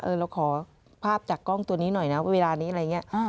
เราขอภาพจากกล้องตัวนี้หน่อยนะเวลานี้อะไรอย่างนี้